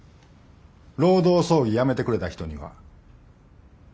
労働争議やめてくれた人には。